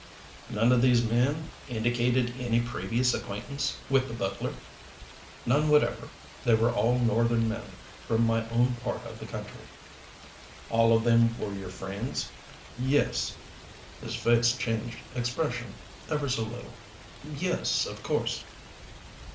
"None of these men indicated any previous acquaintance with the butler?" "None whatever. They were all northern men, from my own part of the country." "All of them were your friends?" "Yes." His face changed expression, ever so little. "Yes, of course."